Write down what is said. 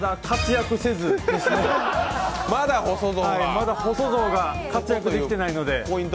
まだ細象が活躍できてないんで。